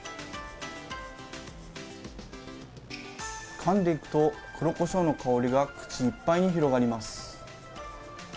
かんでいくと、黒こしょうの香りが口いっぱいに広がります。